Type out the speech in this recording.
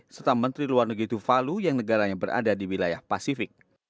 serta menteri luar negeri tuvalu yang negaranya berada di wilayah pasifik